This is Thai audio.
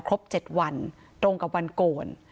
ครบ๗วันตรงกับวันโกน